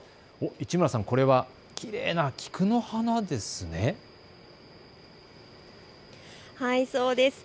市村さん、これはきれいな菊の花ですね。